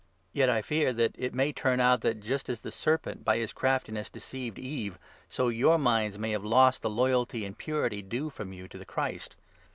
Yet I fear that it may turn out that, just as 3 the Serpent by his craftiness deceived Eve, so your minds may have lost the loyalty and purity due from you to the Christ.